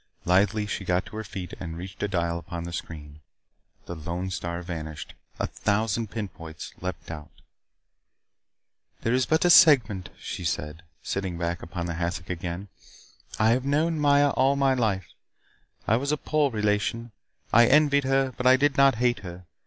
Lithely she got to her feet and reached a dial upon the screen. The lone star vanished. A thousand pinpoints leaped out. "There is but a segment," she said, sitting back upon the hassock again. "I have known Maya all my life. I was the poor relation. I envied her, but I did not hate her.